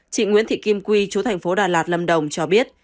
chị nguyễn thị kim quy chú thành phố đà lạt lâm đồng cho biết